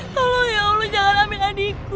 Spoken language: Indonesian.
tolong ya allah jangan ambil adikku